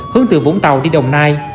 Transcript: hướng từ vũng tàu đi đồng nai